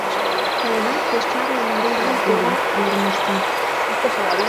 — Тыйынат пеш чапле марий лӱм уло: Йормошка.